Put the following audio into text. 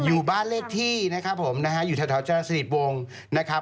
อยู่บ้านเลขที่อยู่แถวจราคสฤษฎิโวงนะครับ